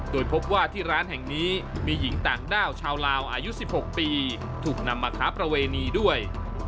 โดยพบว่าที่ร้านแห่งนี้มีหญิงต่างด้าวชาวลาวอายุ๑๖ปีถูกนำมาค้าประเวณีด้วย